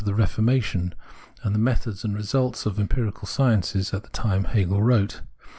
220 Reason 221 Reformation, and the methods and results of the empirical sciences at the time Hegel wrote.